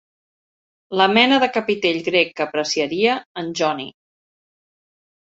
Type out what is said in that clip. La mena de capitell grec que apreciaria en Johnny.